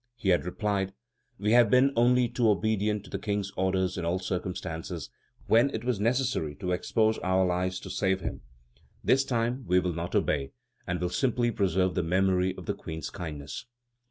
He had replied: "We have been only too obedient to the King's orders in all circumstances when it was necessary to expose our lives to save him; this time we will not obey, and will simply preserve the memory of the Queen's kindness."